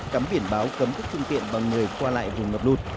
cấm biển báo cấm các trung tiện bằng người qua lại vùng ngập lụt